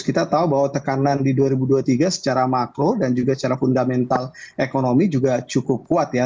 kita tahu bahwa tekanan di dua ribu dua puluh tiga secara makro dan juga secara fundamental ekonomi juga cukup kuat ya